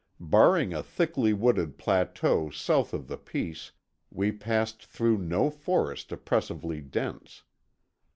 Barring a thickly wooded plateau south of the Peace we passed through no forest oppressively dense.